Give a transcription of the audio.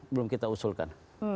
belum kita usulkan